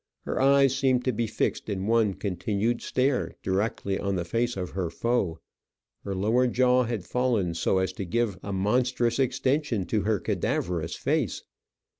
Her eyes seemed to be fixed in one continued stare directly on the face of her foe. Her lower jaw had fallen so as to give a monstrous extension to her cadaverous face.